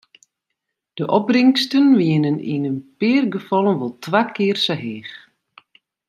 De opbringsten wiene yn in pear gefallen wol twa kear sa heech.